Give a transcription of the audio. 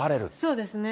そうですね。